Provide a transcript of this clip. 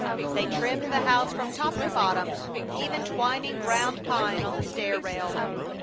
They trimmed the house from top to bottom, even twining ground pine on the stair rail.